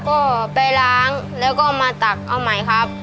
ก็ไปล้างแล้วก็มาตักเอาใหม่ครับ